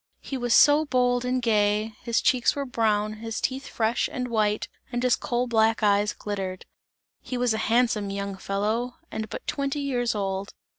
He was so bold and gay, his cheeks were brown, his teeth fresh and white and his coal black eyes glittered; he was a handsome young fellow and but twenty years old.